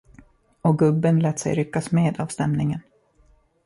Och gubben lät sig ryckas med av stämningen.